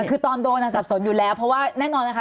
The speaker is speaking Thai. คือตอนโดนสับสนอยู่แล้วเพราะว่าแน่นอนนะคะ